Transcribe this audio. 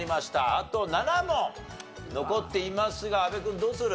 あと７問残っていますが阿部君どうする？